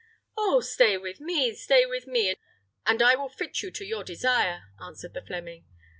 "Oh! stay with me, stay with me, and I will fit you to your desire," answered the Fleming.